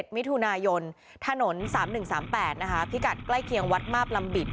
มิถุนายนถนน๓๑๓๘นะคะพิกัดใกล้เคียงวัดมาบลำบิด